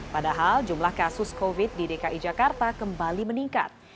padahal jumlah kasus covid di dki jakarta kembali meningkat